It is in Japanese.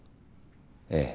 ええ。